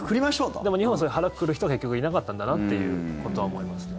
でも、日本は腹くくる人が結局、いなかったんだなということは思いますね。